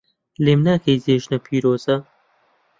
لێم ناکەی جێژنە پیرۆزە